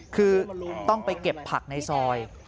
คือต้องไปเก็บผักในซอย